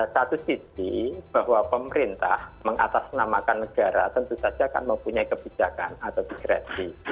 satu sisi bahwa pemerintah mengatasnamakan negara tentu saja akan mempunyai kebijakan atau dikresi